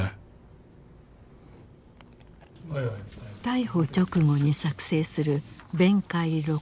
逮捕直後に作成する弁解録取書。